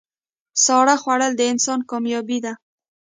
ساړه خوړل د انسان کامیابي ده.